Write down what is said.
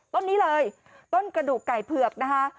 ต้นนี้เลยต้นกระดูกไก่เผือกนะคะ